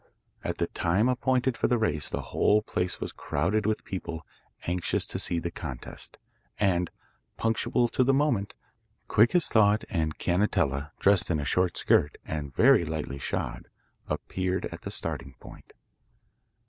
At the time appointed for the race the whole place was crowded with people anxious to see the contest, and, punctual to the moment, Quick as Thought, and Canetella dressed in a short skirt and very lightly shod, appeared at the starting point.